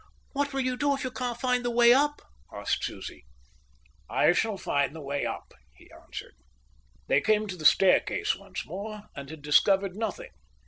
"What will you do if you can't find the way up?" asked Susie. "I shall find the way up," he answered. They came to the staircase once more and had discovered nothing.